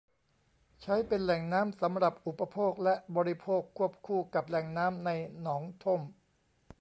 ใช้เป็นแหล่งน้ำสำหรับอุปโภคและบริโภคควบคู่กับแหล่งน้ำในหนองท่ม